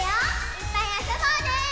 いっぱいあそぼうね！